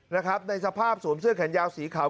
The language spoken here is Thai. นะครับในสภาพสวมเสื้อแขนยาวสีขาว